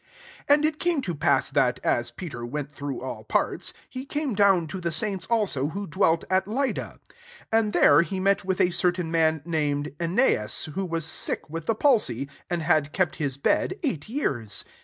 32 And it camiB to pass thatf as Peter went through all^ar/*, he came down to the saints also who dwelt at Lydda. 33 And there he met with a certain man named Eneas, who was sick with the palsy, and had kept his bed eight yfeara.